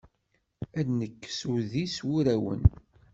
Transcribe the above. Ad d-nekkes udi s wurawen.